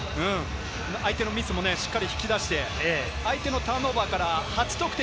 相手のミスも引き出して、相手のターンオーバーから８得点。